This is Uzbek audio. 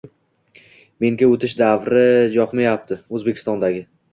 Menga o'tish davra jokmajapti O'zbekistondagi